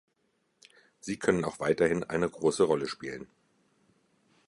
Sie können auch weiterhin eine große Rolle spielen.